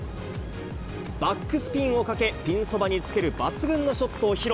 バックスピンをかけ、ピンそばにつける抜群のショットを披露。